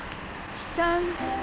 じゃん！